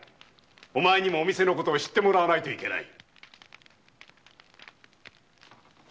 お前にもお店のことを知ってもらわないといけない。